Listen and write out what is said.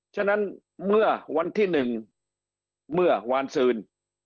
ฉะนั้นเมื่อวันที่๑เมื่อวานซืน